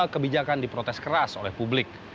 kebijakan di protes keras oleh publik